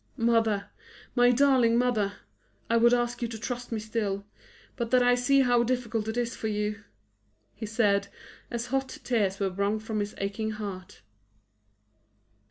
"Mother! my darling mother! I would ask you to trust me still, but that I see how difficult it is for you!" he said, as hot tears were wrung from his aching heart.